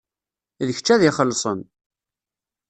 D kečč ad ixellṣen.